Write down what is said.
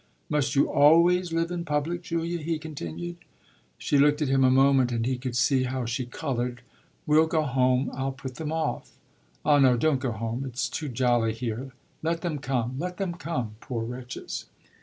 "Must you always live in public, Julia?" he continued. She looked at him a moment and he could see how she coloured. "We'll go home I'll put them off." "Ah no, don't go home; it's too jolly here. Let them come, let them come, poor wretches!"